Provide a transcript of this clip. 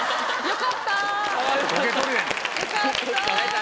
よかった。